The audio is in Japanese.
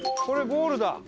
これゴールだ。